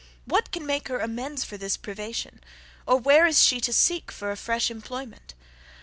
what can make her amends for this privation, or where is she to seek for a fresh employment?